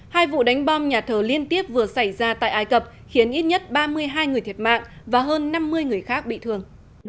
hai vụ đánh bom nhà thờ liên tiếp vừa xảy ra tại ai cập khiến ít nhất ba mươi hai người thiệt mạng và hơn năm mươi người khác bị thương